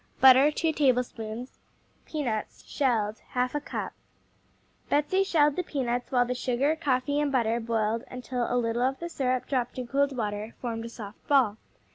Butter, 2 tablespoons Peanuts (shelled), 1/2 cup Betsey shelled the peanuts while the sugar, coffee and butter boiled until a little of the syrup dropped in cold water formed a soft ball.